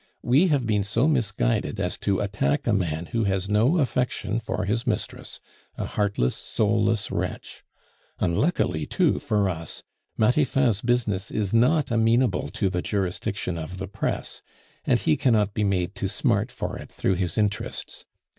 We have been so misguided as to attack a man who has no affection for his mistress, a heartless, soulless wretch. Unluckily, too, for us, Matifat's business is not amenable to the jurisdiction of the press, and he cannot be made to smart for it through his interests.